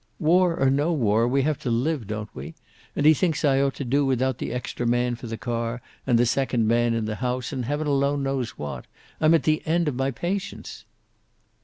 "War or no war, we have to live, don't we? And he thinks I ought to do without the extra man for the car, and the second man in the house, and heaven alone knows what. I'm at the end of my patience."